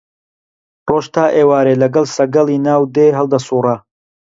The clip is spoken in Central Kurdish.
ڕۆژ تا ئێوارێ لەگەڵ سەگەلی ناو دێ هەڵدەسووڕا